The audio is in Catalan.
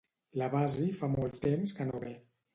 La Basi fa molt temps que no ve